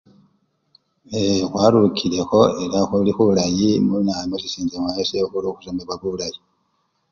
Ee! khwarukilekho elakhuli khulayi muna! musisincha syefwe khulikhusomebwa bulayi.